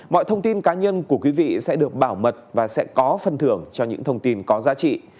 mọi thông tin cá nhân của quý vị sẽ được bảo mật và sẽ có phần thưởng cho những thông tin có giá trị